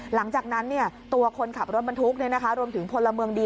หลังจากนั้นตัวคนขับรถบรรทุกรวมถึงพลเมืองดี